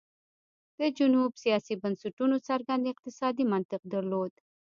د جنوب سیاسي بنسټونو څرګند اقتصادي منطق درلود.